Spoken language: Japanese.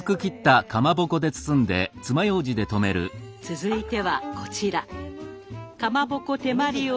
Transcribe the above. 続いてはこちら。